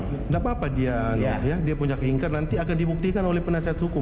tidak apa apa dia punya hak ingkar nanti akan dibuktikan oleh penasihat hukum